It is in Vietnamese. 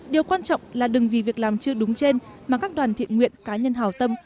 điều quan trọng là đừng vì việc làm chưa đúng trên mà các đoàn thiện nguyện cá nhân hảo tâm